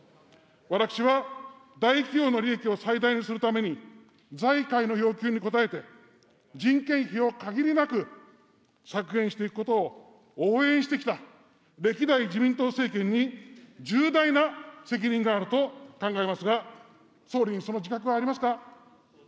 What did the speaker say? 私は、大企業の利益を最大にするために、財界の要求に応えて、人件費を限りなく削減していくことを応援してきた歴代自民党政権に重大な責任があると考えますが、総理にその自覚はありますか。